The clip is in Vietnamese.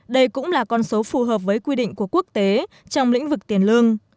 đây cũng là con số phù hợp với quy định của quốc tế trong lĩnh vực tiền lương